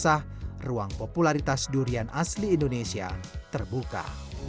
sebagai biasa ruang popularitas durian asli indonesia terbuka